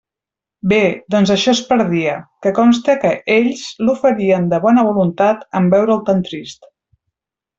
Bé; doncs això es perdia; que conste que ells l'oferien de bona voluntat, en veure'l tan trist.